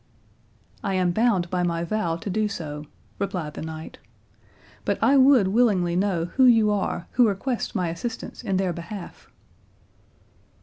"I am bound by my vow to do so," replied the knight; "but I would willingly know who you are, who request my assistance in their behalf?"